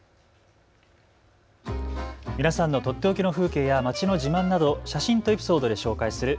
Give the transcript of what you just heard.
皆さんのとっておきの風景や街の自慢などを写真とエピソードで紹介する＃